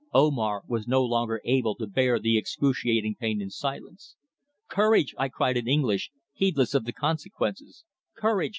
Omar was no longer able to bear the excruciating pain in silence. "Courage," I cried in English, heedless of the consequences. "Courage.